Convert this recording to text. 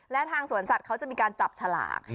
และทางสวนสัตว์เขาจะมีการจับฉลาก